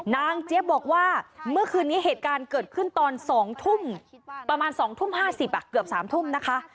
เจี๊ยบบอกว่าเมื่อคืนนี้เหตุการณ์เกิดขึ้นตอน๒ทุ่มประมาณ๒ทุ่ม๕๐เกือบ๓ทุ่มนะคะ